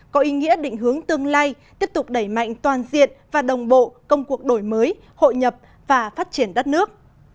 công lai tiếp tục đẩy mạnh toàn diện và đồng bộ công cuộc đổi mới hội nhập và phát triển đất nước